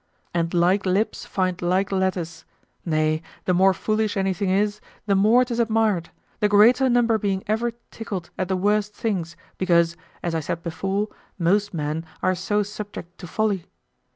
And like lips find like lettuce; nay, the more foolish anything is, the more 'tis admired, the greater number being ever tickled at the worst things, because, as I said before, most men are so subject to folly.